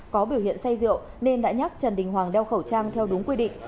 có biểu hiện say rượu nên đã nhắc trần đình hoàng đeo khẩu trang theo đúng quy định